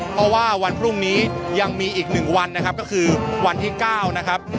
เพราะว่าวันพรุ่งนี้ยังมีอีก๑วันนะครับก็คือวันที่๙นะครับ